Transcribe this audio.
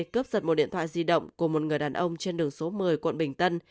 cướp giật một điện thoại di động của một người đàn ông trên đường số một mươi quận bình tân